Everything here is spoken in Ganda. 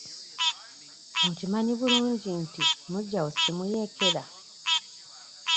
Okimanyi bulungi nti muggyawo si muyeekera?